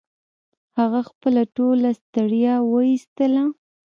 هغه خپله ټوله ستړيا و ایستله